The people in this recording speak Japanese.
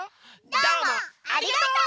どうもありがとう！